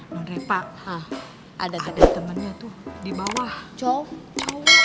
non reva ada temennya tuh di bawah cowok